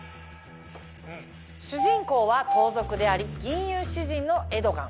主人公は盗賊であり吟遊詩人のエドガン。